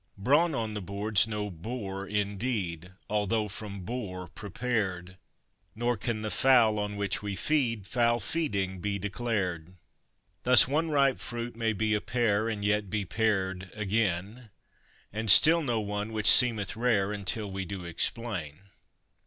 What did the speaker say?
Brawn on the board's no bore indeed although from boar prepared; Nor can the fowl, on which we feed, foul feeding he declared. Thus, one ripe fruit may be a pear, and yet be pared again, And still no one, which seemeth rare until we do explain.